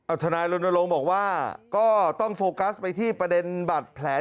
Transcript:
ทนายรณรงค์บอกว่าก็ต้องโฟกัสไปที่ประเด็นบัตรแผล